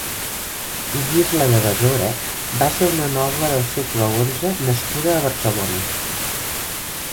Guisla de Besora va ser una noble del segle onze nascuda a Barcelona.